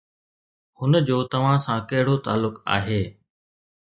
هن جو توهان سان ڪهڙو تعلق آهي؟